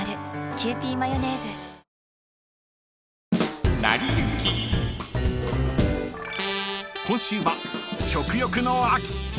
キユーピーマヨネーズ［今週は食欲の秋］